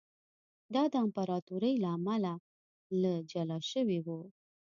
دا د امپراتورۍ له امله له جلا شوی و